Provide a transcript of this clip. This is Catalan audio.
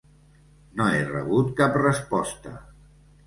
No he rebut cap resposta.